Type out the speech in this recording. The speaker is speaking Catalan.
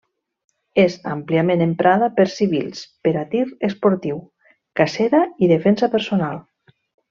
És àmpliament emprada per civils per a tir esportiu, cacera i defensa personal.